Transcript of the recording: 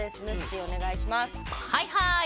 はいはい。